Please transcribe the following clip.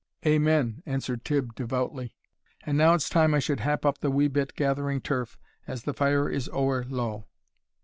"Amen," answered Tibb, devoutly; "and now it's time I should hap up the wee bit gathering turf, as the fire is ower low."